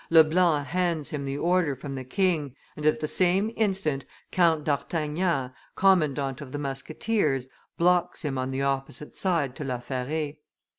Le Blanc hands him the order from the king, and at the same instant Count d'Artagnan, commandant of the musketeers, blocks him on the opposite side to La Fare.